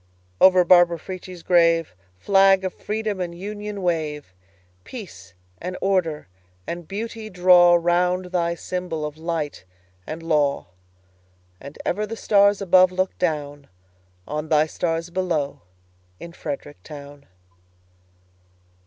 Over Barbara Frietchie's grave, Flag of Freedom and Union, wave! Peace and order and beauty drawRound thy symbol of light and law; And ever the stars above look downOn thy stars below in Frederick town!